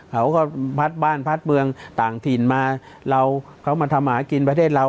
เขาก็พัดบ้านพัดเมืองต่างถิ่นมาเราเขามาทำหากินประเทศเรา